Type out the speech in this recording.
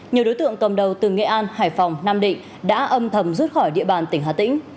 nhiều đối tượng cầm đầu từ nghệ an hải phòng nam định đã âm thầm rút khỏi địa bàn tỉnh hà tĩnh